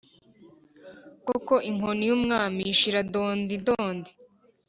koko inkoni y’umwana ishira dondidondi